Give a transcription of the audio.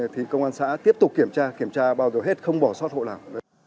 thì công an xã tiếp tục kiểm tra bao giờ hết không bỏ sót hộ nào